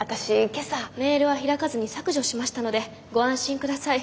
メールは開かずに削除しましたのでご安心下さい。